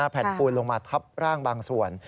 แผ่นปูนลงมาทับร่างบางส่วน